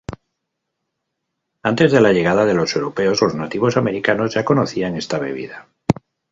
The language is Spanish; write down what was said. Antes de la llegada de los europeos los nativos americanos ya conocían esta bebida.